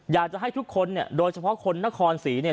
อยากจะให้ทุกคนเนี่ยโดยเฉพาะคนนครศรีเนี่ย